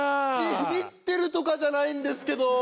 ビビってるとかじゃないんですけど。